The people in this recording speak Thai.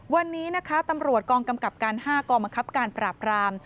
วันนี้นะคะตำรวจกองกำกับการ๕กองบังคับการปราบราม